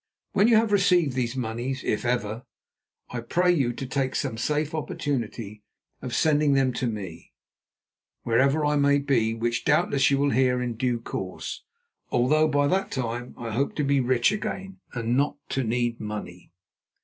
"'When you have received these monies, if ever, I pray you take some safe opportunity of sending them to me, wherever I may be, which doubtless you will hear in due course, although by that time I hope to be rich again and not to need money.